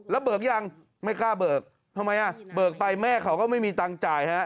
แล้วเบิกยังไม่กล้าเบิกทำไมอ่ะเบิกไปแม่เขาก็ไม่มีตังค์จ่ายฮะ